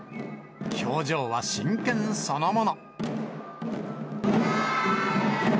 表情は真剣そのもの。